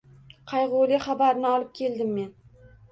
Qayg’uli habarni olib keldim men